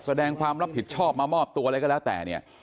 แสดงความรับผิดชอบมามอบตัวอะไรก็แล้วแต่เนี่ย